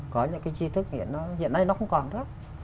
có những cái chi thức nó hiện nay nó không còn nữa